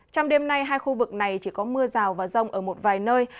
trong đêm nay hai khu vực này chỉ có mưa rào và rông ở một vài nơi